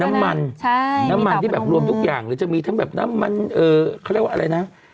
น้ำมันใช่น้ำมันที่แบบรวมทุกอย่างหรือจะมีทั้งแบบน้ำมันเอ่อเขาเรียกว่าอะไรนะ